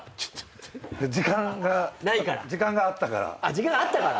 時間があったから。